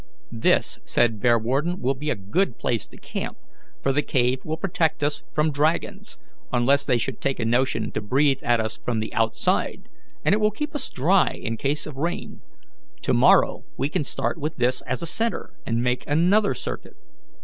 "This," said Bearwarden, "will be a good place to camp, for the cave will protect us from dragons, unless they should take a notion to breathe at us from the outside, and it will keep us dry in case of rain. To morrow we can start with this as a centre, and make another circuit."